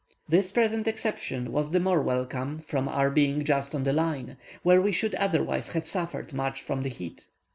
This present exception was the more welcome from our being just on the Line, where we should otherwise have suffered much from the heat.